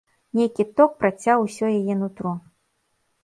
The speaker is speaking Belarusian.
Нейкі ток працяў усё яе нутро.